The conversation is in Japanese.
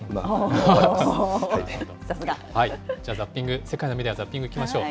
じゃあザッピング、世界のメディア・ザッピング、いきましょ